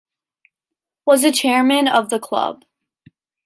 Was a chairman of the club.